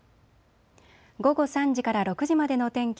午後３時から６時までの天気。